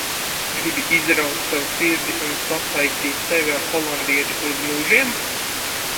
Gribi izraut sev sirdi un sasaistīt sevi ar Holandieti uz mūžiem?